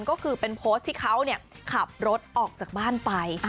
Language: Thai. ก็คือเป็นโพสต์ที่เขาขับรถออกจากบ้านไป